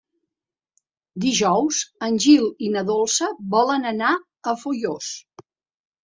Dijous en Gil i na Dolça volen anar a Foios.